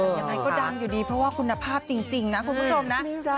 ยังไงก็ดังอยู่ดีเพราะว่าคุณภาพจริงนะคุณผู้ชมนะ